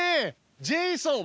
ジェイソン